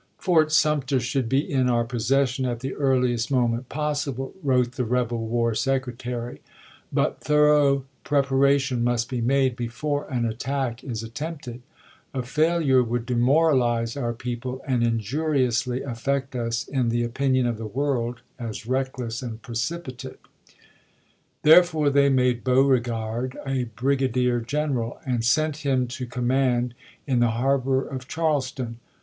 " Fort Sumter should be in our possession at the earliest moment possible," wrote the rebel war secretary, but "thorough preparation must be made before an attack is attempted. .. A failure would de waiter to r . Pickens, moralize our people and injuriously affect us in the Mar^i, lsei. opinion of the world as reckless and precipitate." L» p 259 Therefore they made Beauregard a brigadier general and sent him to command in the harbor of Charles ton.